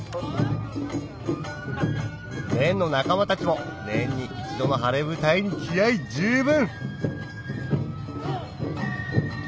連の仲間たちも年に１度の晴れ舞台に気合十分